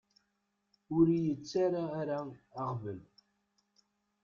Ur iyi-ttara ara aɣbel.